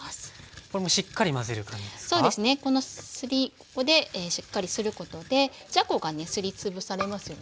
ここでしっかりすることでじゃこがねすり潰されますよね。